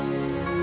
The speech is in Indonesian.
orang yang sister